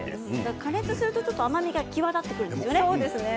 加熱すると甘みが際立つんですよね。